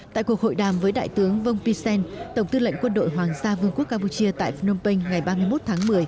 tại cuộc hội đàm với đại tướng vông pisen tổng tư lệnh quân đội hoàng gia vương quốc campuchia tại phnom penh ngày ba mươi một tháng một mươi